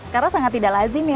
karena sangat tidak lazim ya